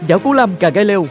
giáo cố lam cà gai leo